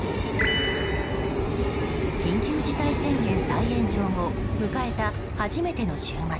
緊急事態宣言再延長後迎えた初めての週末。